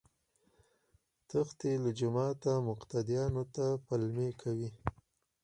تښتي له جوماته مقتديانو ته پلمې کوي